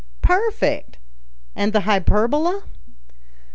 "Perfect! And the hyperbola?"